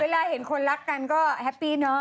เออเวลาเห็นคนรักกันก็แฮปปี้นะ